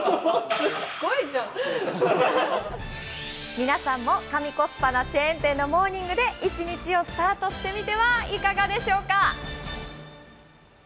皆さんも神コスパなチェーン店のモーニングで１日をスタートしてみてはいかがでしょうか。